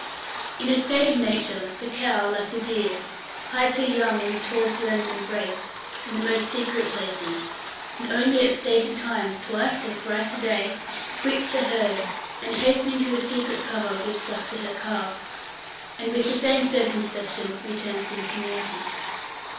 848. IN A STATE OF NATURE, the cow, like the deer, hides her young in the tall ferns and brakes, and the most secret places; and only at stated times, twice or thrice a day, quits the herd, and, hastening to the secret cover, gives suck to her calf, and with the same, circumspection returns to the community.